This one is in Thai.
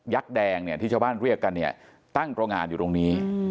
แดงเนี่ยที่ชาวบ้านเรียกกันเนี่ยตั้งโรงงานอยู่ตรงนี้